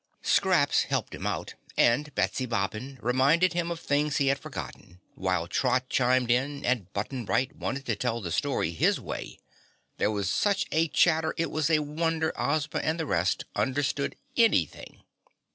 Scraps helped him out, and Betsy Bobbin reminded him of things he had forgotten, while Trot chimed in, and Button Bright wanted to tell the story his way. There was such a chatter it was a wonder Ozma and the rest understood anything.